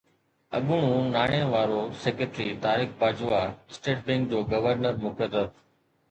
اڳوڻو ناڻي وارو secretary Tariq Bajwa state bank جو گورنر مقرر